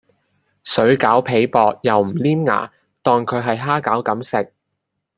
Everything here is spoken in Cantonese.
水餃皮薄又唔黏牙，當佢喺蝦餃咁食